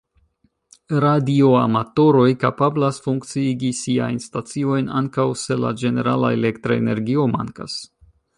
Radioamatoroj kapablas funkciigi siajn staciojn ankaŭ se la ĝenerala elektra energio mankas.